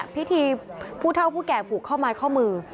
พิธีผู้เท่าผู้แก่ผูกข้อไม้ข้อมือ